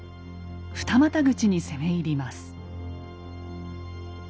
二股口に攻め入ります。